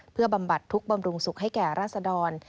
เพื่อบำบัดทุกข์บำรุงสุขให้แก่ราษดร